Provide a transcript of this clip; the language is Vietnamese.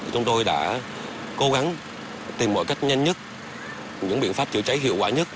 chúng tôi đã cố gắng tìm mọi cách nhanh nhất những biện pháp chữa cháy hiệu quả nhất